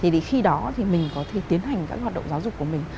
thì khi đó thì mình có thể tiến hành các hoạt động giáo dục của mình